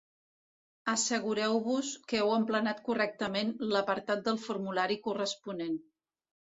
Assegureu-vos que heu emplenat correctament l'apartat del formulari corresponent.